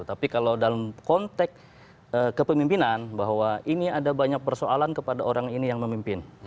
tapi kalau dalam konteks kepemimpinan bahwa ini ada banyak persoalan kepada orang ini yang memimpin